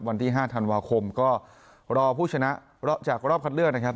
วันที่๕ธันวาคมก็รอผู้ชนะจากรอบคัดเลือกนะครับ